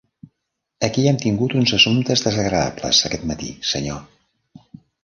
Aquí hem tingut uns assumptes desagradables aquest matí, senyor.